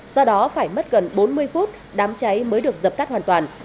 do đó phải mất gần bốn mươi phút đám cháy mới được dập tắt hoàn toàn